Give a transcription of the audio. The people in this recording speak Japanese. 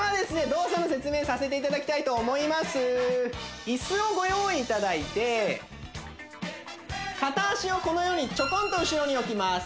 動作の説明させていただきたいと思います椅子をご用意いただいて片脚をこのようにちょこんと後ろに置きます